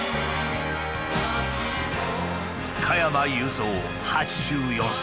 加山雄三８４歳。